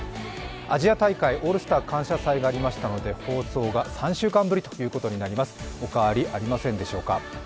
アジア大会、「オールスター感謝祭」がありましたので放送が３週間ぶりということになります、お変わりありませんでしょうか。